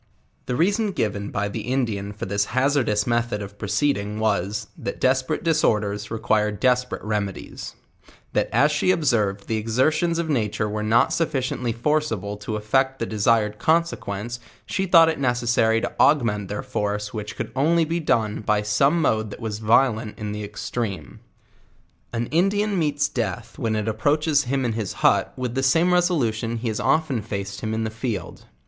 The reason given by the Indian for this hazardous method of proceeding, was, that desperate disorders require desper ate remedies; that as she observed the exertions of nature were not sufficiently forcible to effect the desired conse quence, she thought it necessary to augment their force which could only be done by some mode that was violent in the ex treme. An Indian meets death when it approaches him in his hut with the same resolution he has often faced hi Ji in the field.